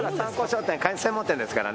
カニ専門店ですからね。